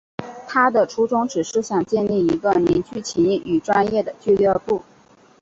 他的初衷只是想建立一个凝聚情谊与专业的俱乐部。